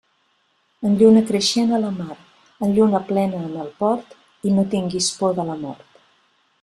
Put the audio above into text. En lluna creixent a la mar, en lluna plena en el port i no tingues por de la mort.